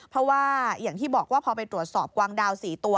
เพราะว่าอย่างที่บอกว่าพอไปตรวจสอบกวางดาว๔ตัว